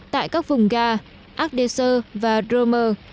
tại các vùng ga agdezor và drommer